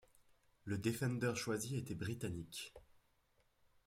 Le défender choisi était britannique.